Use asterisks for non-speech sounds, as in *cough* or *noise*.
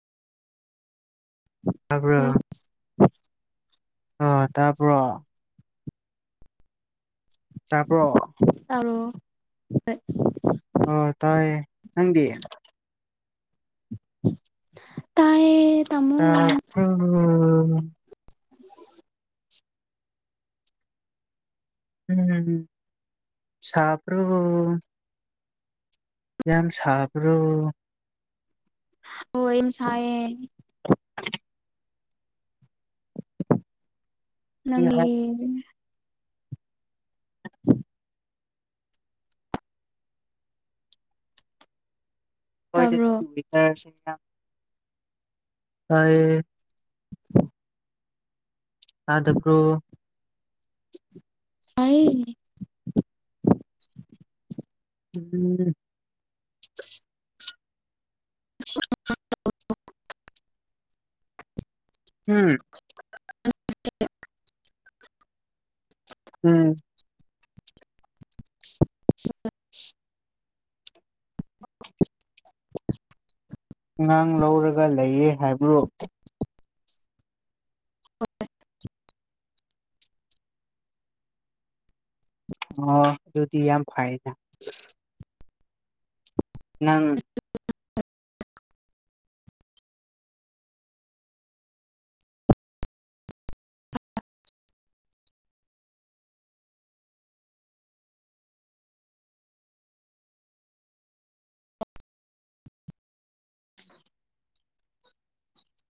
hello ꯇꯥꯕ꯭ꯔꯣ ꯑ ꯇꯥꯕ꯭ꯔꯣ ꯇꯥꯄ ꯇꯔꯣ ꯍ ꯑꯣ ꯇꯥꯏꯌꯦ ꯅꯪꯗꯤ ꯇꯥꯏꯌꯦ ꯇꯥꯃꯣ ꯇ *unintelligible* ꯎꯝ ꯁꯥꯄ꯭ꯔꯣ ꯌꯥꯝ ꯁꯥꯕ꯭ꯔꯣ ꯑꯣꯦꯝ ꯁꯌꯦ ꯅꯪ ꯎꯝ ꯄꯔ ꯇꯥꯕ꯭ꯔꯣ ꯀꯌꯦ ꯑꯗꯞꯣ ꯑꯩ ꯎꯝ ꯎꯝ ꯑ *unintelligible* ꯎꯝ ꯑꯉꯥꯡ ꯂꯧꯔꯒ ꯂꯩꯌꯦ ꯍꯥꯏꯕ꯭ꯔꯣ ꯑꯣ ꯑꯗꯨꯗꯤ ꯌꯥꯝ ꯌꯥꯝ ꯐꯥꯏꯅ ꯅꯪ *unintelligible*